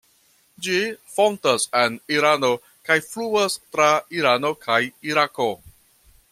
Ĝi fontas en Irano kaj fluas tra Irano kaj Irako.